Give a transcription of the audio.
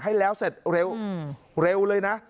ให้แล้วเสร็จเร็วเลยนะ